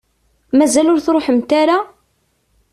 Mazal ur truḥemt ara?